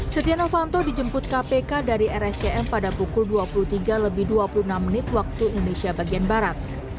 setia novanto dijemput kpk dari rscm pada pukul dua puluh tiga lebih dua puluh enam menit waktu indonesia bagian barat